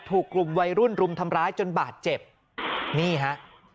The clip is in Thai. ถูกกลุ่มวัยรุ่นรุมทำร้ายจนบาดเจ็บนี่ฮะ